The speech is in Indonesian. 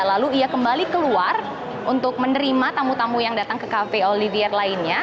lalu ia kembali keluar untuk menerima tamu tamu yang datang ke cafe olivier lainnya